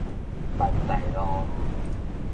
萬大路